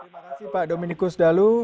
terima kasih pak dominikus dalu